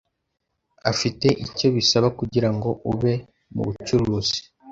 Afite icyo bisaba kugirango ube mubucuruzi.